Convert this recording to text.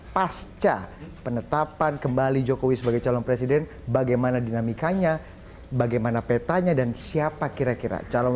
pasca penetapan kembali jokowi sebagai calon presiden bagaimana dinamikanya bagaimana petanya dan siapa kira kira calon